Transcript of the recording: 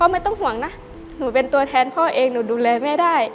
ไม่ต้องห่วงนะหนูเป็นตัวแทนพ่อเองหนูดูแลแม่ได้